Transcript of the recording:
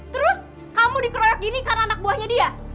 terus kamu dikeroyok gini karena anak buahnya dia